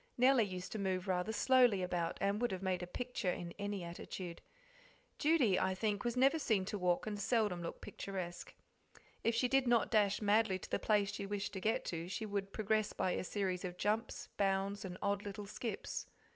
Nellie used to move rather slowly about, and would have made a picture in any attitude. Judy I think, was never seen to walk, and seldom looked picturesque. If she did not dash madly to the place she wished to get to, she would progress by a series of jumps, bounds, and odd little skips.